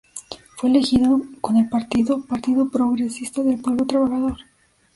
Fue elegido con el partido Partido Progresista del Pueblo Trabajador.